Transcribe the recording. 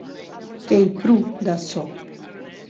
Qu’ei pro d’açò.